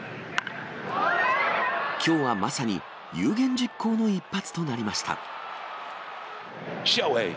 きょうはまさに有言実行の一発となりました。